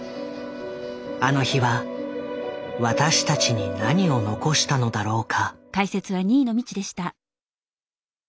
あの日は私たちに何を残したのだろうか？